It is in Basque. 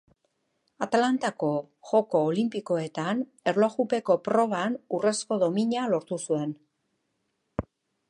Atlantako Joko Olinpikoetan erlojupeko proban urrezko domina lortu zuen.